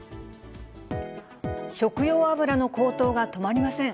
食用油の高騰が止まりません。